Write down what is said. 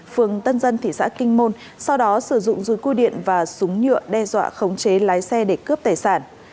phường tân dân thị xã kinh môn sau đó sử dụng dùi cui điện và súng nhựa đe dọa khống chế lái xe để cướp tài sản